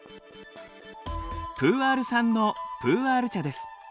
プーアール産のプーアール茶です。